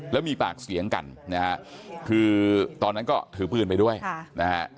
แล้วมีปากเสียงกันนะฮะคือตอนนั้นก็ถือปืนไปด้วยนะฮะ